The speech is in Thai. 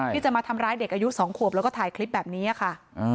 ที่จะมาทำร้ายเด็กอายุ๒ขวบแล้วก็ถ่ายคลิปแบบนี้ค่ะ